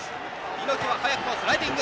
猪木は早くもスライディング。